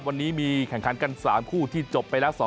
วันนี้มีแข่งขันกัน๓คู่ที่จบไปแล้ว